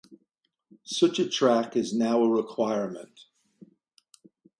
Such a track is now a requirement.